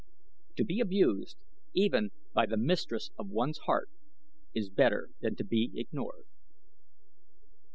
To be abused, even, by the mistress of one's heart is better than to be ignored.